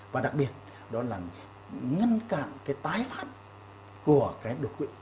và đặc biệt đó là ngăn chặn cái tái phát của cái đột quỵ